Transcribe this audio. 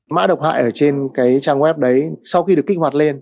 mã độc hại ở trên cái trang web đấy sau khi được kích hoạt lên